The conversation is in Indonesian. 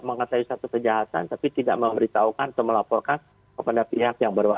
mengataui satu kejahatan tapi tidak memberitahukan atau melaporkan kepada pihak yang baru wajib